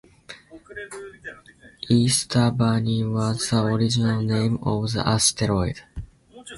Easter bunny was the original name of the asteroid.